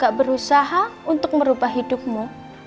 saya berusaha untuk merubah hidupmu